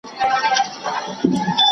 ¬ تر پردي زوى مو دا خپله پکه لور ښه ده.